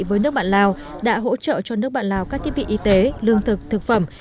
với nước bạn lào đã hỗ trợ cho nước bạn lào các thiết bị y tế lương thực thực phẩm